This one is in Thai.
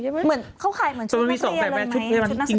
เหมือนเขาขายเหมือนชุดมาตรีอะไรไหมชุดนักศึกษา